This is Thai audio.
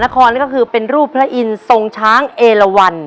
ถึงเหลือของมหานครก็เป็นรูปผับประอินทรงช้างเอระวัร